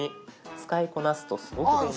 使いこなすとすごく便利。